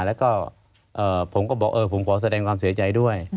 แล้วก็ผมก็บอกผมขอแสดงความเสียใจด้วย